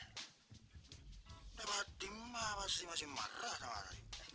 udah fatima masih masih marah sama ani